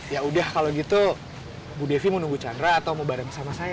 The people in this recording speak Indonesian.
ya udah kalau gitu bu devi mau nunggu chandra atau mau bareng sama saya